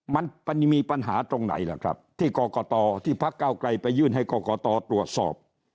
มันมีปัญหาตรงไหนล่ะครับที่กรกตที่พักเก้าไกลไปยื่นให้กรกตตรวจสอบ